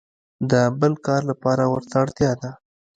د بل کار لپاره ورته اړتیا ده.